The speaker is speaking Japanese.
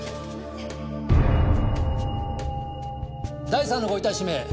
第三のご遺体氏名